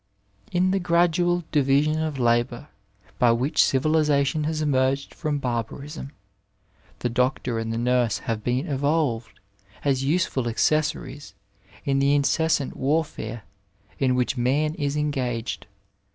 In the gradual division of labour, by which civilisation has emerged from barbarism, the doctor and the nurse have been evolved, as useful accessories in the incessant war&ure in which man is engaged.